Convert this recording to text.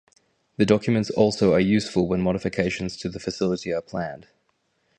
The documents also are useful when modifications to the facility are planned.